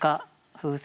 「風船」